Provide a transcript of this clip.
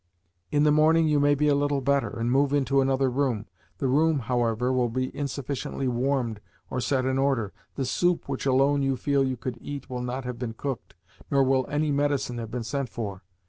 In the morning you maybe a little better, and move into another room. The room, however, will be insufficiently warmed or set in order; the soup which alone you feel you could eat will not have been cooked; nor will any medicine have been sent for.